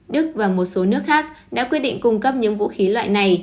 đức và một số nước khác đã quyết định cung cấp những vũ khí loại này